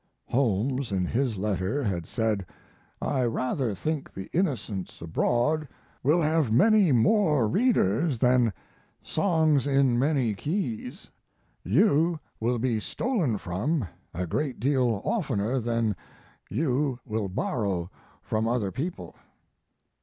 [Holmes in his letter had said: "I rather think The Innocents Abroad will have many more readers than Songs in Many Keys... You will be stolen from a great deal oftener than you will borrow from other people."